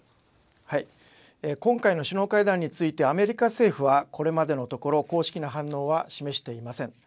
今回の首脳会談についてアメリカ政府はこれまでのところ、公式な反応は示していません。